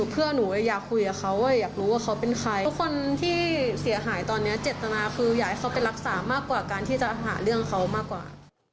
เพราะฉะนั้นที่จะหาเรื่องเขามากกว่า